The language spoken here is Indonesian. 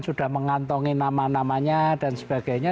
sudah mengantongi nama namanya dan sebagainya